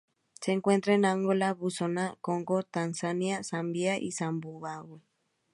Se encuentra en Angola, Botsuana, Congo, Tanzania, Zambia y Zimbabue.